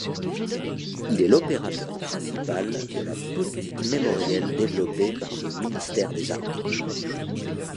Il est l’opérateur principal de la politique mémorielle développée par le ministère des Armées.